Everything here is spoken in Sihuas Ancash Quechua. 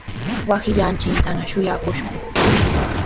wawqillanchiktana shuyaakushun.